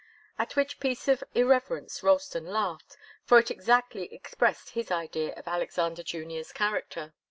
At which piece of irreverence Ralston laughed, for it exactly expressed his idea of Alexander Junior's character.